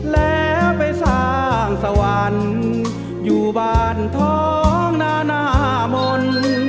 แล้วไปสร้างสวรรค์อยู่บ้านท้องนานามนต์